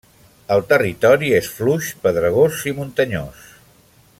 El territori és fluix, pedregós i muntanyós.